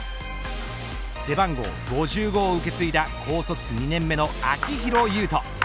背番号５５を受け継いだ高卒２年目の秋広優人。